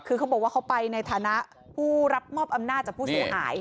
คือเขาบอกว่าเขาไปในฐานะผู้รับมอบอำนาจจากผู้เสียหาย